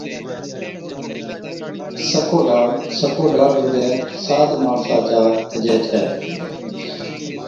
سکوڍاڙ، سکوڍاڙ رُگَي ساد ماڻسا چا ڪجَي ڇَي